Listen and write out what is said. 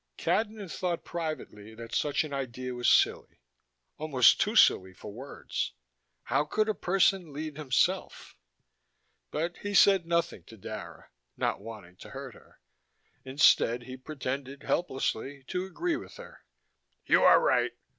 Cadnan thought privately that such an idea was silly, almost too silly for words: how could a person lead himself? But he said nothing to Dara, not wanting to hurt her. Instead, he pretended, helplessly, to agree with her: "You are right.